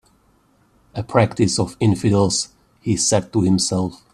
"A practice of infidels," he said to himself.